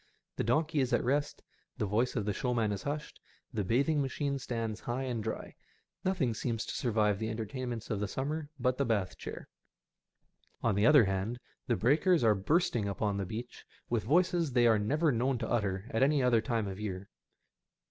The donkey is at rest^ the voice of the showman is hushed, the bathing machine stands high and dry. Nothing seems to survive the entertain ments of the summer, but the bath chair. On the other hand, the breakers are bursting upon the beach with voices they are never known to utter at any other time of the year.